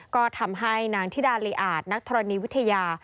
ก็ทำให้นางธิดาลีอาจนักธรณีวิทยา